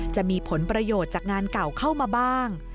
จะมีผลประโยชน์จากงานเก่าเข้ามาบ้าง